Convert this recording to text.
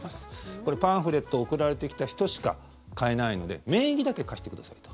これ、パンフレットを送られてきた人しか買えないので名義だけ貸してくださいと。